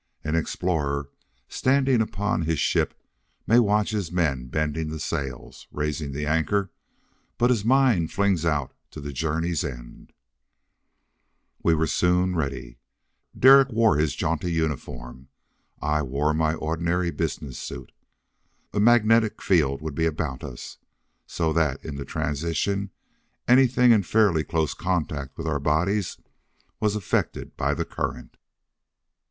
An explorer, standing upon his ship, may watch his men bending the sails, raising the anchor, but his mind flings out to the journey's end.... We were soon ready. Derek wore his jaunty uniform, I wore my ordinary business suit. A magnetic field would be about us, so that in the transition anything in fairly close contact with our bodies was affected by the current.